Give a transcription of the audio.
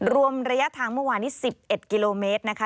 รวมระยะทางเมื่อวานนี้๑๑กิโลเมตรนะคะ